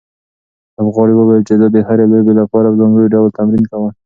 لوبغاړي وویل چې زه د هرې لوبې لپاره په ځانګړي ډول تمرین کوم.